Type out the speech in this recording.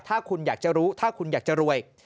ถ้าคุณอยากจะรู้ถ้าคุณอยากจะรวย